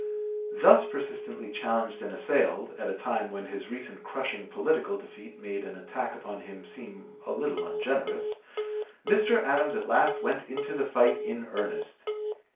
Thus persistently challenged and (p. 218) assailed, at a time when his recent crushing political defeat made an attack upon him seem a little ungenerous, Mr. Adams at last went into the fight in earnest.